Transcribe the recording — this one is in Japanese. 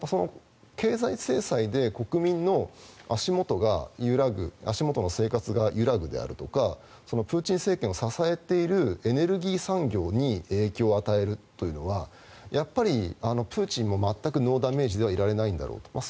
経済制裁で国民の足元が揺らぐ足元の生活が揺らぐであるとかプーチン政権を支えているエネルギー産業に影響を与えるというのはやっぱりプーチンも全くノーダメージではいられないんだろうと。